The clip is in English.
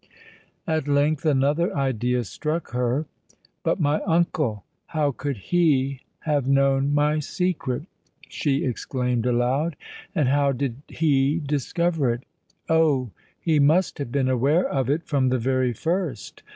At length another idea struck her. "But my uncle—how could he have known my secret?" she exclaimed aloud. "And how did he discover it? Oh! he must have been aware of it from the very first!